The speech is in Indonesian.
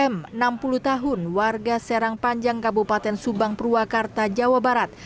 m enam puluh tahun warga serang panjang kabupaten subang purwakarta jawa barat